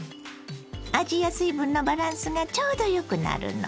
味や水分のバランスがちょうどよくなるの。